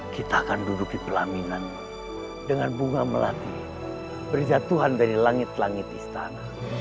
kita akan duduk di pelaminan dengan bunga melati berjatuhan dari langit langit istana